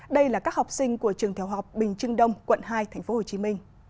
đây là các học sinh của trường tiểu học bình trưng đông quận hai tp hcm